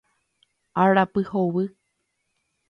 Arapy hovy